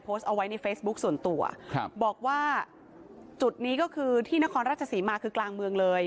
โพสต์เอาไว้ในเฟซบุ๊คส่วนตัวครับบอกว่าจุดนี้ก็คือที่นครราชศรีมาคือกลางเมืองเลย